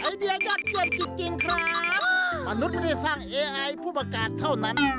ยอดเยี่ยมจริงจริงครับมนุษย์ไม่ได้สร้างเอไอผู้ประกาศเท่านั้น